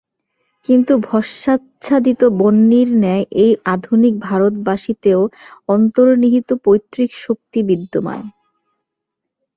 কিন্তু ভস্মাচ্ছাদিত বহ্নির ন্যায় এই আধুনিক ভারতবাসীতেও অন্তর্নিহিত পৈতৃক শক্তি বিদ্যমান।